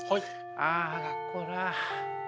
あ学校か。